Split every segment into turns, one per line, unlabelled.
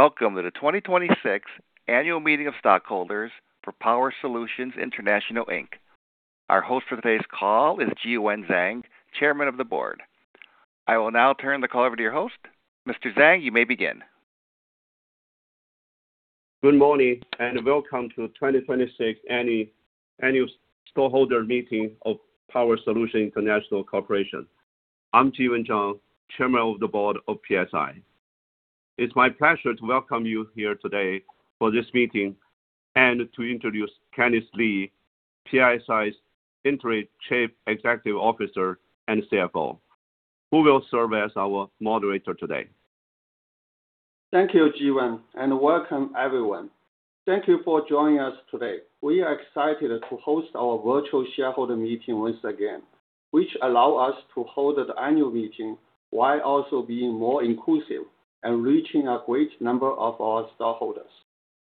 Welcome to the 2026 annual meeting of stockholders for Power Solutions International, Inc. Our host for today's call is Jiwen Zhang, Chairman of the Board. I will now turn the call over to your host. Mr. Zhang, you may begin.
Good morning, welcome to 2026 annual stockholder meeting of Power Solutions International, Inc. I'm Jiwen Zhang, Chairman of the Board of PSI. It's my pleasure to welcome you here today for this meeting and to introduce Kenneth Li, PSI's Interim Chief Executive Officer and CFO, who will serve as our moderator today.
Thank you, Jiwen, welcome everyone. Thank you for joining us today. We are excited to host our virtual shareholder meeting once again, which allow us to hold the annual meeting while also being more inclusive and reaching a great number of our stockholders.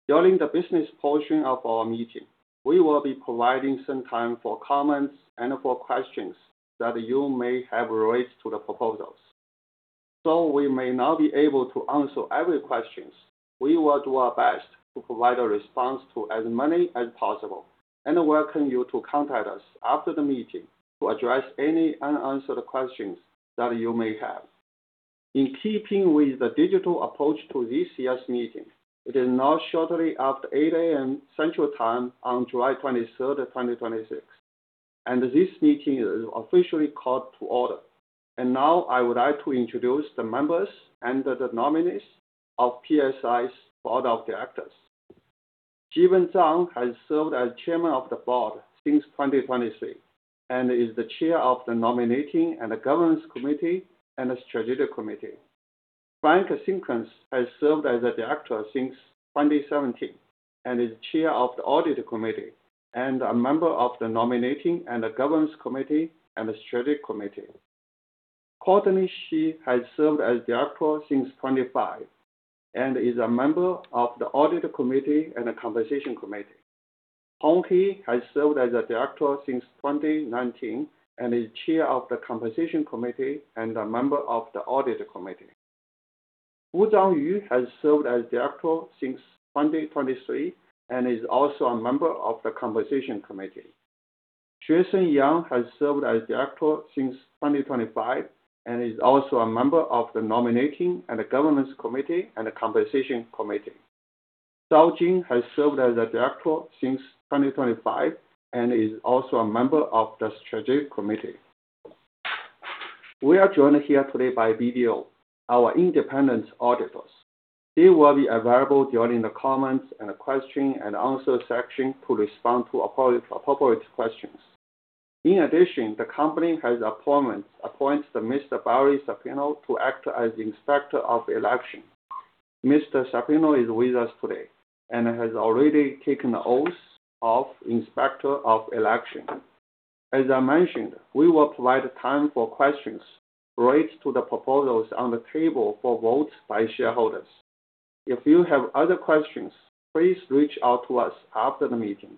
During the business portion of our meeting, we will be providing some time for comments and for questions that you may have raised to the proposals. Though we may not be able to answer every questions, we will do our best to provide a response to as many as possible and welcome you to contact us after the meeting to address any unanswered questions that you may have. In keeping with the digital approach to this year's meeting, it is now shortly after 8:00 A.M. Central Time on July 23rd, 2026, this meeting is officially called to order. Now I would like to introduce the members and the nominees of PSI's Board of Directors. Jiwen Zhang has served as Chairman of the Board since 2023 and is the Chair of the Nominating and Governance Committee and the Strategic Committee. Frank Simpkins has served as a Director since 2017 and is Chair of the Audit Committee and a member of the Nominating and Governance Committee and the Strategic Committee. Courtney Shea has served as Director since 2005 and is a member of the Audit Committee and the Compensation Committee. Hong He has served as a Director since 2019 and is Chair of the Compensation Committee and a member of the Audit Committee. Fuzhang Yu has served as Director since 2023 and is also a member of the Compensation Committee. Xuesen Yang has served as director since 2025 and is also a member of the Nominating and the Governance Committee and the Compensation Committee. Zhao Jin has served as a director since 2025 and is also a member of the Strategic Committee. We are joined here today by BDO, our independent auditors. They will be available during the comments and question and answer section to respond to appropriate questions. In addition, the company has appointed Mr. Barry Sapeno to act as Inspector of Election. Mr. Sapeno is with us today and has already taken the oath of Inspector of Election. As I mentioned, we will provide time for questions raised to the proposals on the table for votes by shareholders. If you have other questions, please reach out to us after the meeting.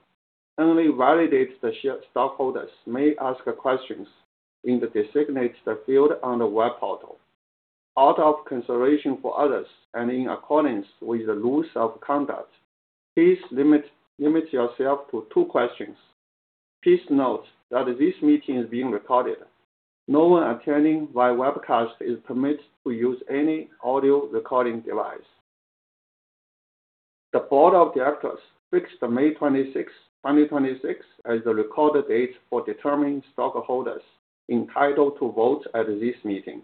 Only validated shareholders may ask questions in the designated field on the web portal. Out of consideration for others and in accordance with the rules of conduct, please limit yourself to two questions. Please note that this meeting is being recorded. No one attending via webcast is permitted to use any audio recording device. The board of directors fixed May 26, 2026, as the record date for determining stockholders entitled to vote at this meeting.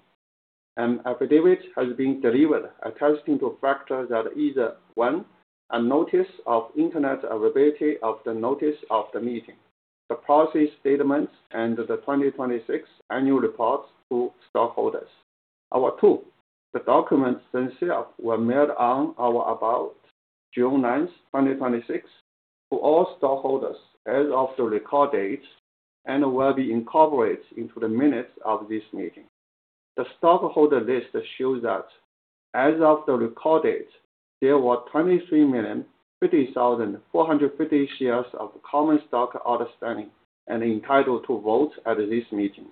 An affidavit has been delivered attesting to the fact that either, one, a notice of internet availability of the notice of the meeting, the proxy statement, and the 2026 annual report to stockholders. Or two, the documents themselves were mailed on or about June 9th, 2026, to all stockholders as of the record date and will be incorporated into the minutes of this meeting. The stockholder list shows that as of the record date, there were 23,050,450 shares of common stock outstanding and entitled to vote at this meeting.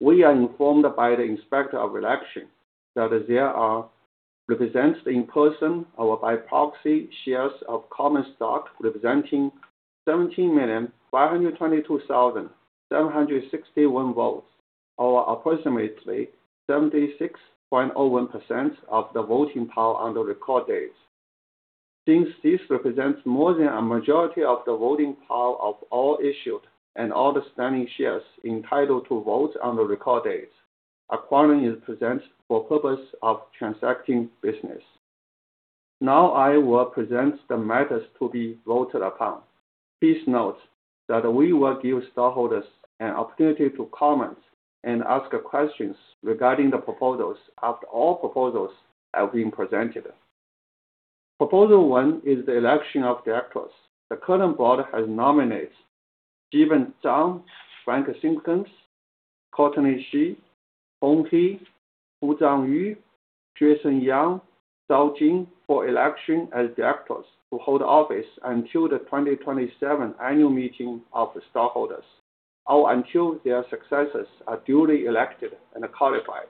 We are informed by the Inspector of Election that there are represented in person or by proxy shares of common stock representing 17,522,761 votes, or approximately 76.01% of the voting power on the record date. Since this represents more than a majority of the voting power of all issued and outstanding shares entitled to vote on the record date, a quorum is present for purpose of transacting business. Now I will present the matters to be voted upon. Please note that we will give stockholders an opportunity to comment and ask questions regarding the proposals after all proposals have been presented. Proposal one is the election of directors. The current board has nominated Jiwen Zhang, Frank Simpkins, Courtney Shea, Hong He, Fuzhang Yu, Xuesen Yang, Zhao Jin for election as directors to hold office until the 2027 annual meeting of the stockholders. Until their successors are duly elected and qualified.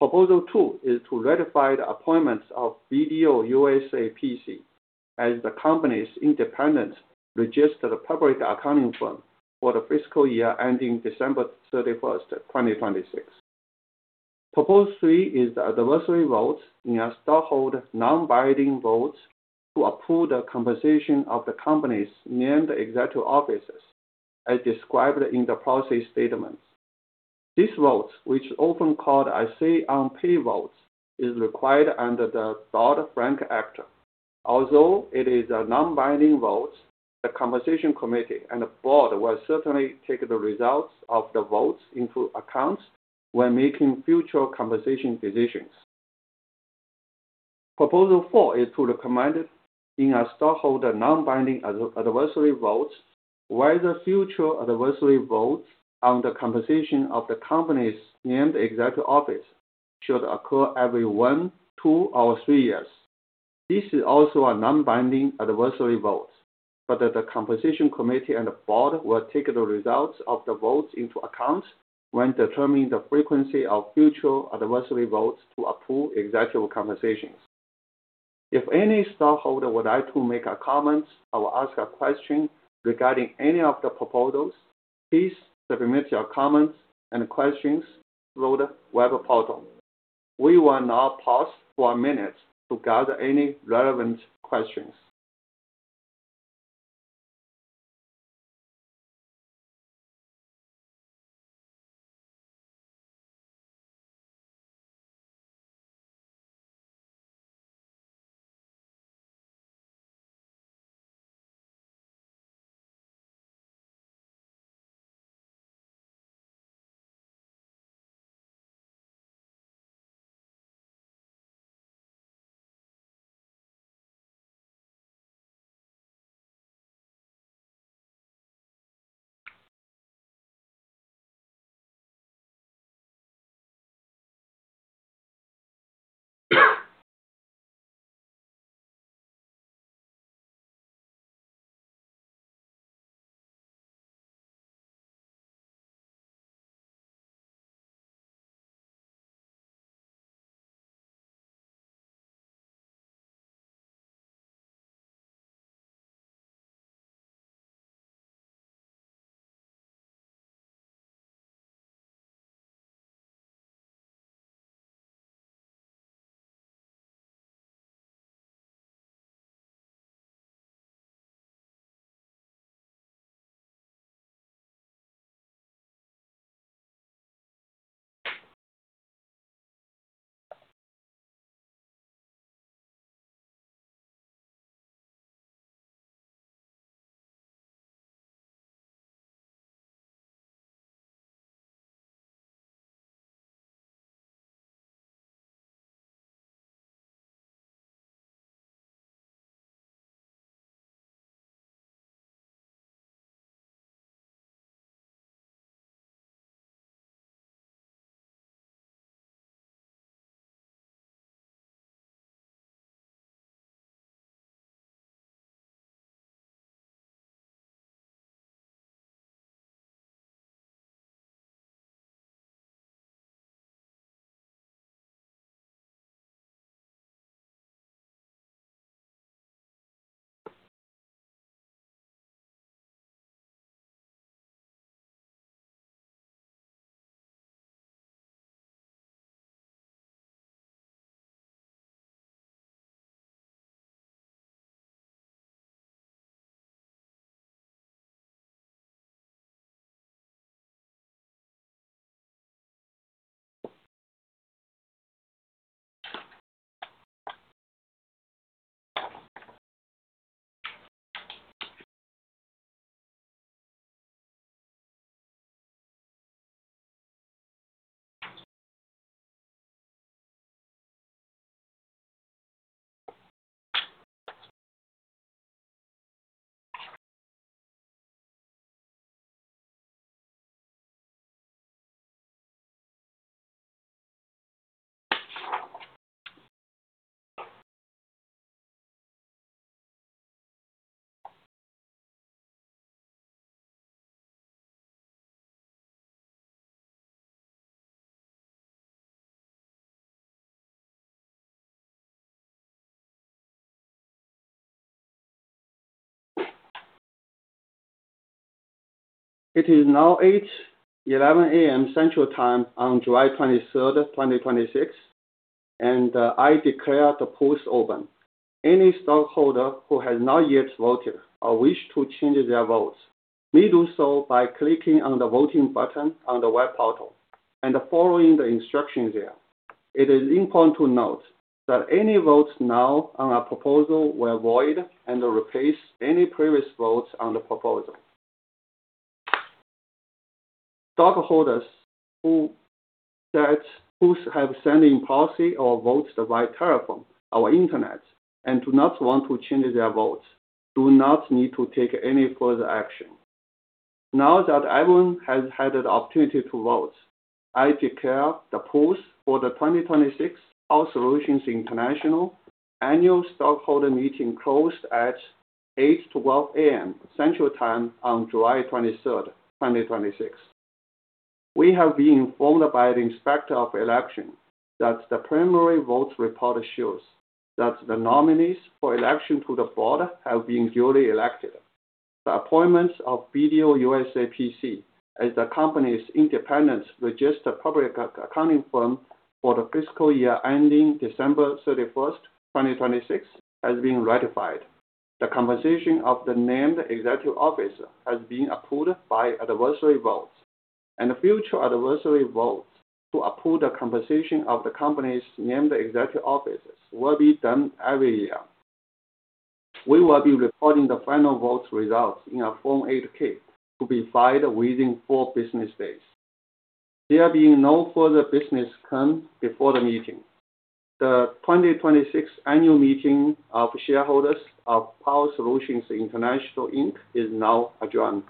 Proposal two is to ratify the appointments of BDO USA, P.C. as the company's independent registered public accounting firm for the fiscal year ending December 31st, 2026. Proposal three is the advisory vote in a stockholder non-binding vote to approve the compensation of the company's named executive officers as described in the proxy statement. This vote, which is often called a say on pay vote, is required under the Dodd-Frank Act. Although it is a non-binding vote, the Compensation Committee and the board will certainly take the results of the votes into account when making future compensation decisions. Proposal four is to recommend, in a stockholder non-binding advisory vote, whether future advisory votes on the compensation of the company's named executive officers should occur every one, two, or three years. This is also a non-binding advisory vote. The Compensation Committee and the board will take the results of the votes into account when determining the frequency of future advisory votes to approve executive compensations. If any stockholder would like to make a comment or ask a question regarding any of the proposals, please submit your comments and questions through the web portal. We will now pause for a minute to gather any relevant questions. It is now 8:11 A.M. Central Time on July 23rd, 2026, and I declare the polls open. Any stockholder who has not yet voted or wish to change their votes may do so by clicking on the voting button on the web portal and following the instructions there. It is important to note that any votes now on a proposal will void and replace any previous votes on the proposal. Stockholders who have sent in proxy or voted by telephone or internet and do not want to change their votes do not need to take any further action. Now that everyone has had the opportunity to vote, I declare the polls for the 2026 Power Solutions International Annual Stockholder Meeting closed at 8:12 A.M. Central Time on July 23rd, 2026. We have been informed by the Inspector of Election that the primary vote report shows that the nominees for election to the board have been duly elected. The appointments of BDO USA, P.C. as the company's independent registered public accounting firm for the fiscal year ending December 31st, 2026, has been ratified. The compensation of the named executive officer has been approved by advisory vote. The future advisory vote to approve the compensation of the company's named executive officers will be done every year. We will be reporting the final vote results in a Form 8-K to be filed within four business days. There being no further business come before the meeting, the 2026 annual meeting of shareholders of Power Solutions International Inc. is now adjourned.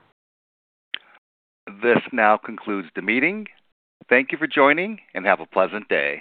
This now concludes the meeting. Thank you for joining. Have a pleasant day.